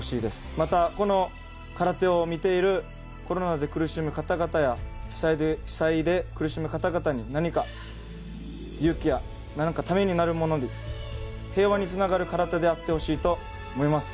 また空手を見ているコロナで苦しむ方々や被災で苦しむ方々に何か勇気や、ためになるものに平和につながる空手であってほしいと思います。